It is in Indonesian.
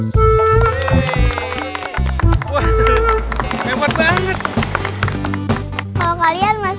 if kalian masih mau lihat lala silahkan taruh uangnya slidh delas